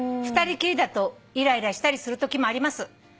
「２人きりだといらいらしたりするときもあります」